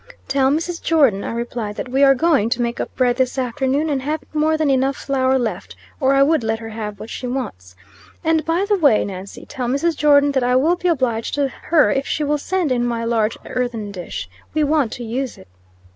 "Tell Mrs. Jordon," I replied, "that we are going to make up bread this afternoon, and haven't more than enough flour left, or I would let her have what she wants. And, by the way, Nancy, tell Mrs. Jordon that I will be obliged to her if she will send in my large earthen dish. We want to use it."